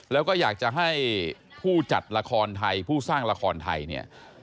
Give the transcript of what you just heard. แล้วก็อยากจะให้ผู้จัดละครไทยผู้สร้างละครไทยเนี่ย